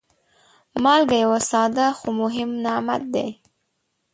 مالګه یو ساده، خو مهم نعمت دی.